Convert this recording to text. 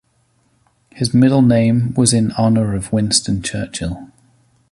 His middle name was in honour of Winston Churchill.